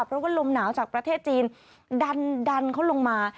เพราะว่าลมหนาวจากประเทศจีนดันเขาลงมา